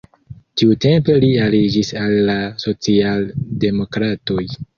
Tiutempe li aliĝis al la socialdemokratoj.